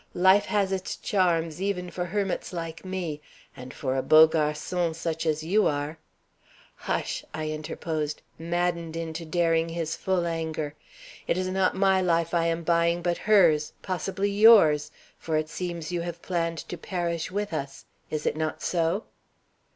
"Life has its charms even for hermits like me; and for a beau garçon such as you are " "Hush!" I interposed, maddened into daring his full anger. "It is not my life I am buying, but hers, possibly yours; for it seems you have planned to perish with us. Is it not so?"